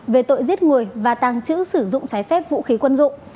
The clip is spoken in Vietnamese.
về tội giết người và tàng trữ sử dụng trái phép vũ khí quân dụng